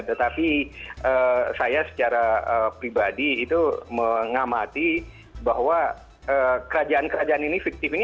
tetapi saya secara pribadi itu mengamati bahwa kerajaan kerajaan ini fiktif ini